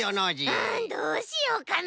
うんどうしようかな？